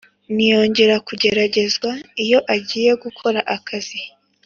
ntiyongera kugeragezwa iyo agiye gukora akazi